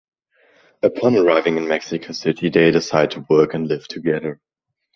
Upon arriving in Mexico City they decide to work and live together.